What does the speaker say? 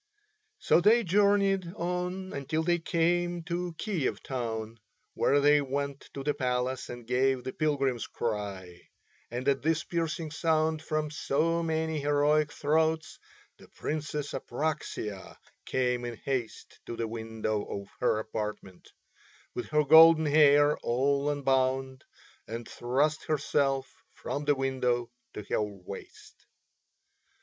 So they journeyed on until they came to Kiev town, where they went to the palace and gave the pilgrims' cry; and at this piercing sound from so many heroic throats the Princess Apraxia came in haste to the window of her apartment, with her golden hair all unbound, and thrust herself from the window to her waist.